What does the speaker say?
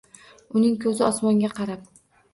Uning koʻzi osmonga qarab